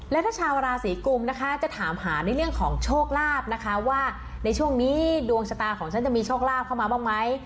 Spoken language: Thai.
และถ้าชาวราศีกุมนะคะจะถามหาในเรื่องของโชคลาภนะคะว่าในช่วงนี้ดวงชะตาของฉันจะมีโชคลาภเข้ามาบ้างไหม